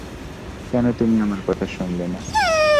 কেন তুমি আমার কথা শুনলে না?